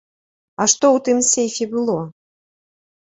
А што ў тым сейфе было?